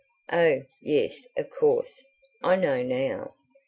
"Oh, yes, of course, I know now.